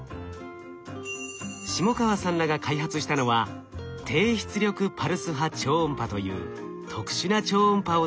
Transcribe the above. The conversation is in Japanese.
下川さんらが開発したのは低出力パルス波超音波という特殊な超音波を使う治療法。